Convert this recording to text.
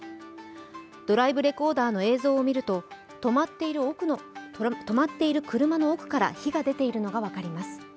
ドライブレコーダーの映像を見ると止まっている車の奥から火が出ているのが分かります。